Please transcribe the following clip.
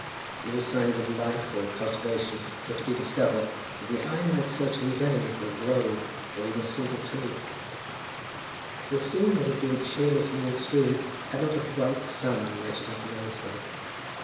No signs of life or cultivation were to be discovered, and the eye might search in vain for a grove or even a single tree. The scene would have been cheerless in the extreme had not a bright sun lighted up the landscape.